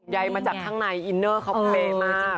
ยายมาจากด้านในอินเนอร์เขาเปลี่ยนมาก